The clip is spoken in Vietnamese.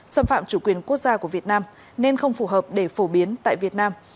xâm phạm chủ quyền quốc gia của việt nam nên không phù hợp để phổ biến tại việt nam